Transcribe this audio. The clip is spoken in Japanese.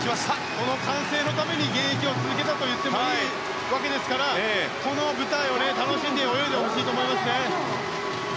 この歓声のために現役を続けたといってもいいわけですからこの舞台を楽しんで泳いでほしいと思います。